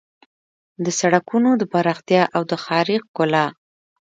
د سړکونو د پراختیا او د ښاري ښکلا